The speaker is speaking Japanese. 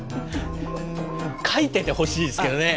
かいててほしいですけどね。